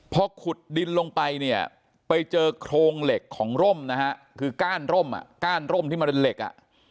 พอขุดดินลงไปเนี่ยไปเจอโครงเหล็กของร่มนะฮะคือก้านร่มอ่ะก้านร่มที่มันเป็นเหล็กอ่ะ